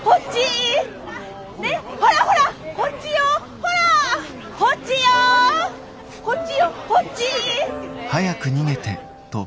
こっちよこっち！